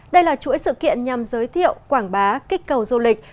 đây là chuỗi sự kiện nhằm giới thiệu quảng bá kích cầu du lịch